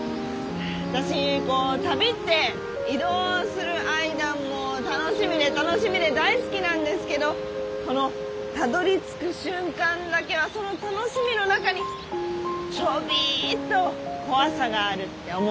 私こう旅って移動する間も楽しみで楽しみで大好きなんですけどこのたどりつく瞬間だけはその楽しみの中にちょびっと怖さがあるって思うんです。